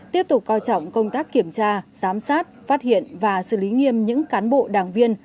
tiếp tục coi trọng công tác kiểm tra giám sát phát hiện và xử lý nghiêm những cán bộ đảng viên